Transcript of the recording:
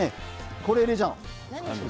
これを入れちゃうの。